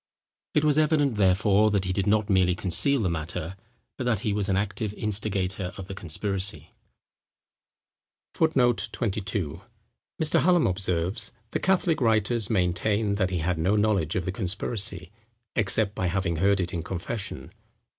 It was evident, therefore, that he did not merely conceal the matter; but that he was an active instigator of the conspiracy. [Footnote 22: Mr. Hallam observes; "The Catholic writers maintain that he had no knowledge of the conspiracy, except by having heard it in confession.